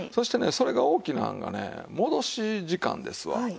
そしてねそれが大きなんがね戻し時間ですわ。